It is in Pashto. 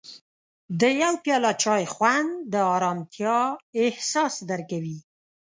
د یو پیاله چای خوند د ارامتیا احساس درکوي.